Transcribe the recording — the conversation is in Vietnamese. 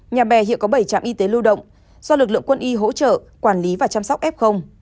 nhà bè hiện có bảy trạm y tế lưu động do lực lượng quân y hỗ trợ quản lý và chăm sóc f